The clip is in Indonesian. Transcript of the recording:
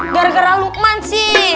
gara gara lukman sih